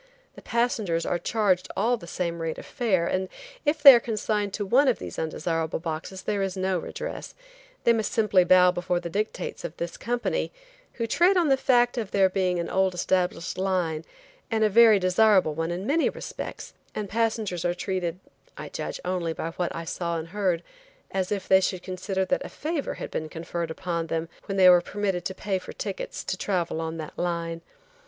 The passengers are charged all the same rate of fare, and if they are consigned to one of these undesirable boxes there is no redress; they must simply bow before the dictates of this company, who trade on the fact of their being an old established line, and a very desirable one in many respects, and passengers are treated–I judge only by what I saw and heard–as if they should consider that a favor had been conferred upon them when they were permitted to pay for tickets to travel on that line.